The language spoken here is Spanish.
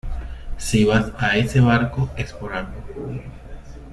si vas a ese barco es por algo.